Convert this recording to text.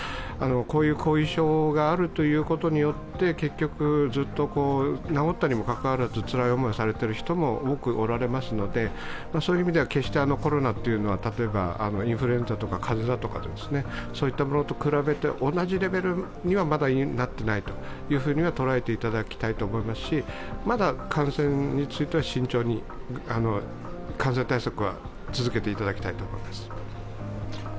こういう後遺症があるということによって、結局ずっと、治ったにもかかわらずつらい思いをされている人も多くおられますので、決してコロナは例えばインフルエンザとか風邪とか、そういったものと比べて同じレベルにはまだなっていないと捉えていただきたいと思いますし、まだ慎重に感染対策は続けていただきたいと思います。